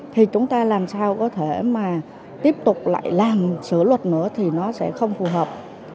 thì chúng ta làm sao có thể mà tiếp tục lại làm sửa luật nữa thì nó sẽ không phù hợp